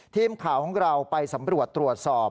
ทีมข่าวของเราไปสำรวจตรวจสอบ